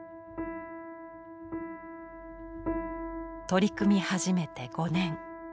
取り組み始めて５年。